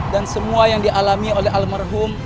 dan semua yang dialami oleh almarhum